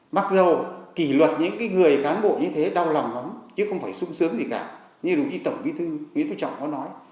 mặc dù kỷ luật những người cán bộ như thế đau lòng lắm chứ không phải sung sướng gì cả như đồng chí tổng bí thư nguyễn phú trọng có nói